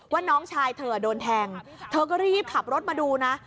น้องชายเธอโดนแทงเธอก็รีบขับรถมาดูนะ